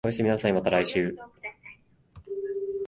おやすみなさい、また来週